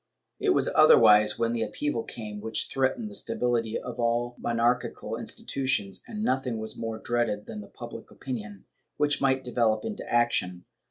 It was otherwise when the upheaval came which threatened the stability of all monarchical institutions, and nothing was more dreaded than public opinion, which might develop into action.